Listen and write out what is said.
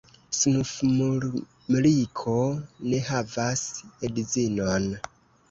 Snufmumriko ne havas edzinon.